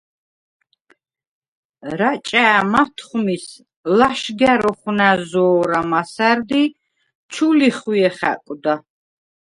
რაჭა̈ მათხვმის ლაშგა̈რ ოხვნა̈ზო̄რა მასა̈რდ ი ჩუ ლიხვიე ხა̈კვდა.